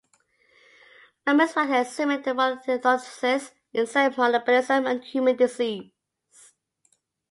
Mellman's work has examined the role of endocytosis in cell metabolism and human disease.